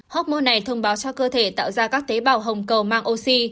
homer này thông báo cho cơ thể tạo ra các tế bào hồng cầu mang oxy